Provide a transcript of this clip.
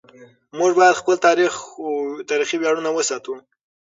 موږ باید خپل تاریخي ویاړونه وساتو.